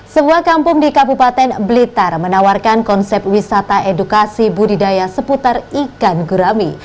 sebuah kampung di kabupaten blitar menawarkan konsep wisata edukasi budidaya seputar ikan gurami